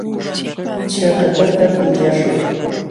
Chakatata qillqaśhun.